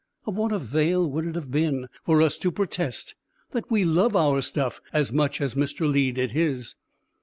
Of what avail would it have been for us to protest that we love our stuff as much as Mr. Lee did his?